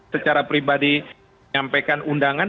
secara pribadi menyampaikan undangan